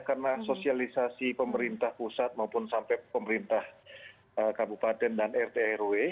karena sosialisasi pemerintah pusat maupun sampai pemerintah kabupaten dan rt rw